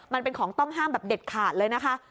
มันเป็นของต้องห้ามแบบเด็ดขาดเลยนะคะ